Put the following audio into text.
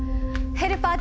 ヘルパー